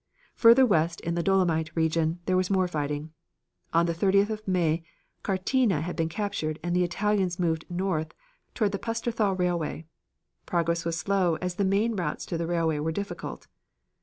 Further west in the Dolomite region there was more fighting. On the 30th of May Cartina had been captured, and the Italians moved north toward the Pusterthal Railway. Progress was slow, as the main routes to the railway were difficult.